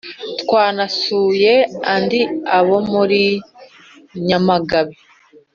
Twanasuye kandi abo muri Nyamagabe,